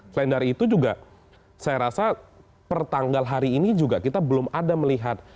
selain dari itu juga saya rasa per tanggal hari ini juga kita belum ada melihat